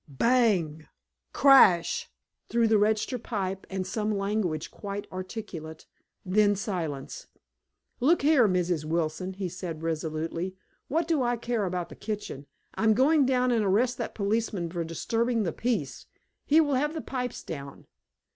Bang! Crash! through the register pipe, and some language quite articulate. Then silence. "Look here, Mrs. Wilson," he said resolutely. "What do I care about the kitchen? I'm going down and arrest that policeman for disturbing the peace. He will have the pipes down."